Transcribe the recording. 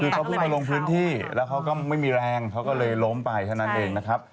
คือเขาเพิ่งมาลงพื้นที่แล้วเขาก็ไม่มีแรงเขาก็เลยล้มไปเท่านั้นเองนะครับ